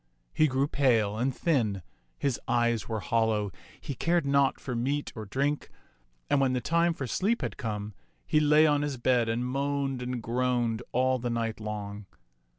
He grew pale and thin, his eyes were hollow, he cared naught for meat or drink, and when the time for sleep had come, he lay on his bed and moaned and groaned all the night long.